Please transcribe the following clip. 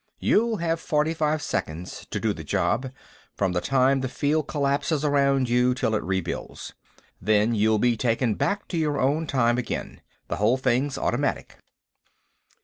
You'll have forty five seconds to do the job, from the time the field collapses around you till it rebuilds. Then you'll be taken back to your own time again. The whole thing's automatic."